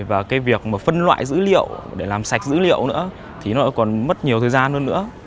và cái việc mà phân loại dữ liệu để làm sạch dữ liệu nữa thì nó còn mất nhiều thời gian hơn nữa